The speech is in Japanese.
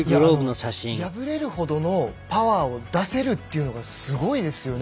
破れるほどのパワーを出せるというのがすごいですよね。